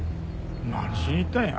何しに行ったんや？